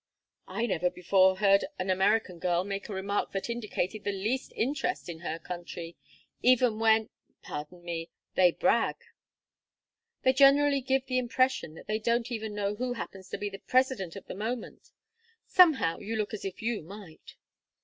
"I never before heard an American girl make a remark that indicated the least interest in her country even when pardon me they brag. They generally give the impression that they don't even know who happens to be the President of the moment. Somehow, you look as if you might."